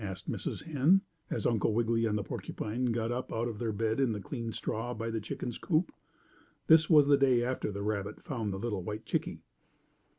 asked Mrs. Hen, as Uncle Wiggily and the porcupine got up out of their bed in the clean straw by the chickens' coop. This was the day after the rabbit found the little white chickie.